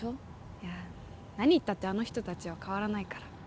いや、何、言ったってあの人たちは変わらないから。